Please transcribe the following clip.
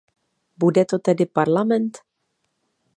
Bude to tedy Parlament?